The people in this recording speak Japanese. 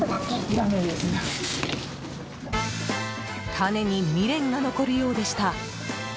種に未練が残るようでした。